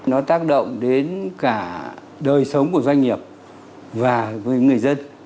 nó tác động đến cả đời sống của doanh nghiệp và với người dân